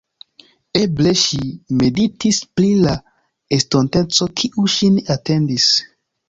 Eble ŝi meditis pri la estonteco, kiu ŝin atendis.